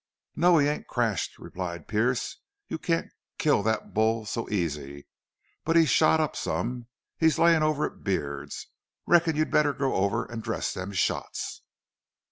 "No, he ain't cashed," replied Pearce. "You can't kill that bull so easy. But he's shot up some. He's layin' over at Beard's. Reckon you'd better go over an' dress them shots."